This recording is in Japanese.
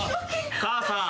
母さん。